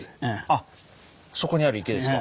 あっそこにある池ですか？